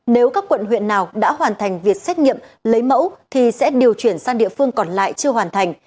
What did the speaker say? nếu các quận huyện nào đã hoàn thành việc xét nghiệm lấy mẫu thì sẽ điều chuyển sang địa phương còn lại chưa hoàn thành